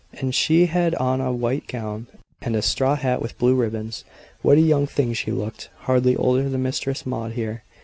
"And she had on a white gown and a straw hat with blue ribbons. What a young thing she looked! hardly older than Mistress Maud here."